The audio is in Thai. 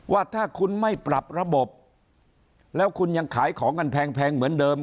ว่าถ้าคุณไม่ปรับระบบแล้วคุณยังขายของกันแพงเหมือนเดิม